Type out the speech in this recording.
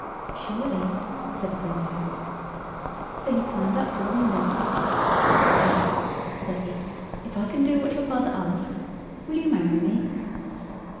"Surely," said the Princess. So he climbed up to the window. "Now," said he, "if I can do what your father asks, will you marry me?"